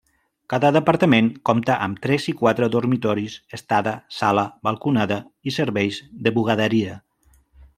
Cada departament compta amb tres i quatre dormitoris, estada, sala, balconada i serveis de bugaderia.